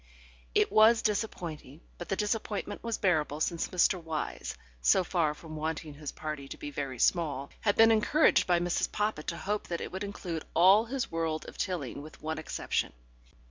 It was disappointing, but the disappointment was bearable since Mr. Wyse, so far from wanting his party to be very small, had been encouraged by Mrs. Poppit to hope that it would include all his world of Tilling with one exception.